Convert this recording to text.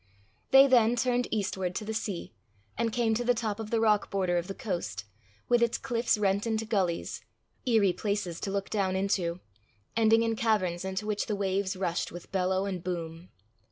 They then turned eastward to the sea, and came to the top of the rock border of the coast, with its cliffs rent into gullies, eerie places to look down into, ending in caverns into which the waves rushed with bellow and boom.